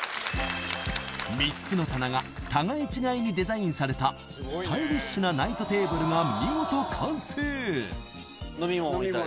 ３つの棚が互い違いにデザインされたスタイリッシュなナイトテーブルが見事完成